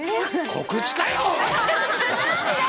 告知かよ！